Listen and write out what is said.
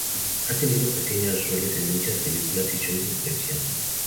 Ha tenido pequeños roles en muchas películas y shows de televisión.